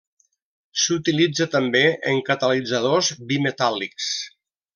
S'utilitza també en catalitzadors bimetàl·lics.